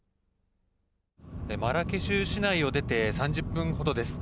マラケシュ市内を出て３０分ほどです。